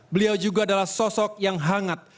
beliau juga adalah sosok yang hangat